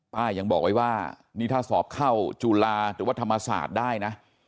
ยังบอกไว้ว่านี่ถ้าสอบเข้าจุฬาหรือว่าธรรมศาสตร์ได้นะ